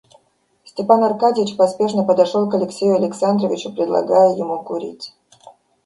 Степан Аркадьич поспешно подошел к Алексею Александровичу, предлагая ему курить.